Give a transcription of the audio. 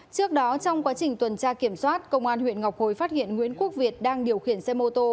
trước đó trong quá trình tuần tra kiểm soát công an huyện ngọc hồi phát hiện nguyễn quốc việt đang điều khiển xe mô tô